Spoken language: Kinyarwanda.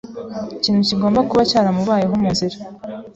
Ikintu kigomba kuba cyaramubayeho munzira.